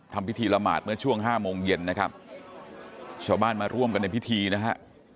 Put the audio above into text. ทำพิธีละหมาดเมื่อช่วงห้าโมงเย็นนะครับชาวบ้านมาร่วมกันในพิธีนะฮะ